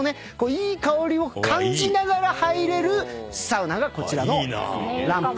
いい香りを感じながら入れるサウナがこちらのＬＡＭＰ